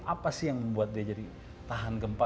apa sih yang membuat dia jadi tahan gempa